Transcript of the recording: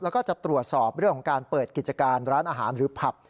แล้วก็จะตรวจสอบเรื่องของการเปิดกิจการร้านอาหารหรือผับ